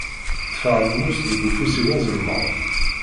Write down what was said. Ṭṭfeɣ lmus deg ufus-iw azelmaḍ.